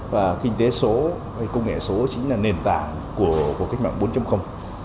và kinh tế số hay công nghệ số chính là nền tảng của cuộc cách mạng bốn